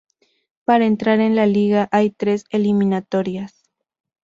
Para entrar en la liga hay tres eliminatorias.